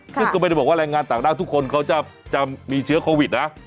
ซึ่งก็ไม่ได้บอกว่าแรงงานต่างด้าวทุกคนเขาจะมีเชื้อโควิดนะ